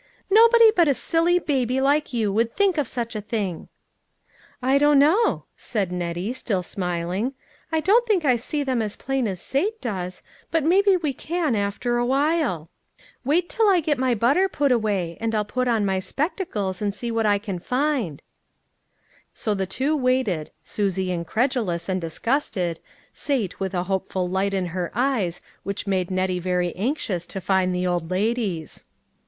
" Nobody but a silly baby like you would think of such a thing." " I don't know," said Nettie, still smiling, " I don't think I see them as plain as Sate does, but maybe we can, after awhile ; wait till I get my butter put away, and I'll put on my spectacles and see what I can find." 284 LITTLE FISHERS: AND THEIR NETS. So the two waited, Susie incredulous and dis gusted, Sate with a hopeful light in her eyes, which made Nettie very anxious to find the old ladies.